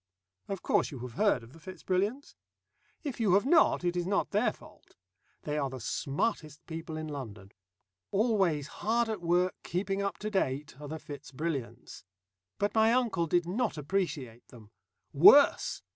Of course you have heard of the Fitz Brilliants? If you have not, it is not their fault. They are the smartest people in London. Always hard at work, keeping up to date, are the Fitz Brilliants. But my uncle did not appreciate them. Worse!